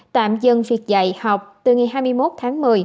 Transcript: tạm dừng việc dạy học từ ngày hai mươi một tháng một mươi